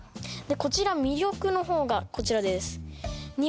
こちら魅力のほうがこちらです